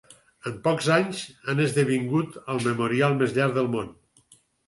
En pocs anys, han esdevingut el memorial més llarg del món.